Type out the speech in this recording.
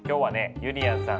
ゆりやんさん